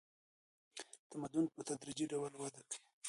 تمدن په تدریجي ډول وده کوي.